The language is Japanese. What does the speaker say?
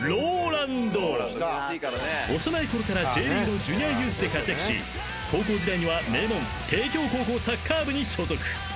［幼いころからＪリーグのジュニアユースで活躍し高校時代には名門帝京高校サッカー部に所属］